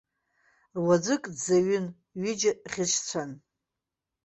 Руаӡәык дӡаҩын, ҩыџьа ӷьычцәан.